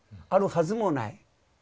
あるはずもない。